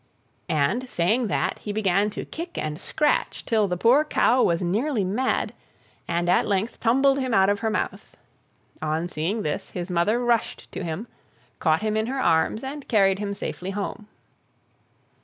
And, saying that, he began to kick and scratch till the poor cow was nearly mad, and at length tumbled him out of her mouth. On seeing this, his mother rushed to him, caught him in her arms, and carried him safely home.